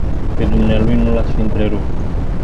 Pe dumnealui nu l-ați fi întrerupt.